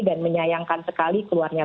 dan menyayangkan sekali keluarnya